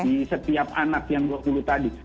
di setiap anak yang dulu tadi